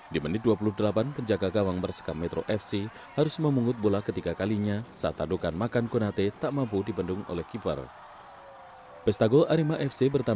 di menit dua puluh delapan penjaga gawang persika metro fc harus memungut bola ketiga kalinya saat tandukan makan konate tak mampu dibendung oleh keeper